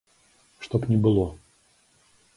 Што б ні было.